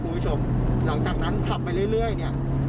คุณผู้ชมหลังจากนั้นขับไปเรื่อยเนี่ย